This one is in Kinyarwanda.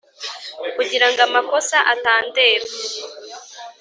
kugirango amakosa atandeba